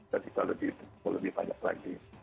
dan bisa lebih banyak lagi